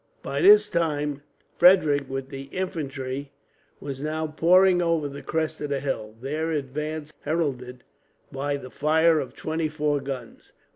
By this time Frederick, with the infantry, was now pouring over the crest of the hill, their advance heralded by the fire of twenty four guns.